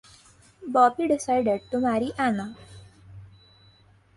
Bobby decided to marry Anna.